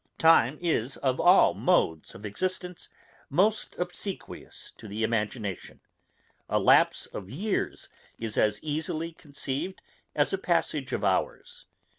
Time is, of all modes of existence, most obsequious to the imagination; a lapse of years is as easily conceived as a passage of hours.